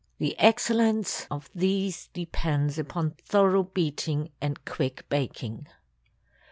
The excellence of these depends upon thorough beating and quick baking.